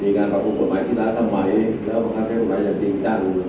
มีการประกบผลหมายที่ร้ายสมัยแล้วพร้อมให้ผลหมายอย่างดินตั้ง